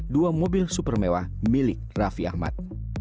dua mobil super mewah milik raffi ahmad